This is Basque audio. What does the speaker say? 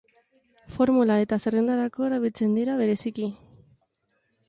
Formula eta zerrendetarako erabiltzen dira bereziki.